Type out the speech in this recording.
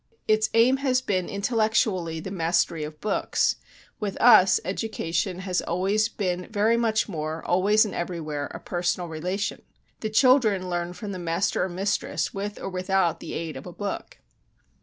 Its aim has been intellectually the mastery of books; with us education has always been very much more, always and everywhere, a personal relation. The children learn from the master or mistress with or without the aid of a book."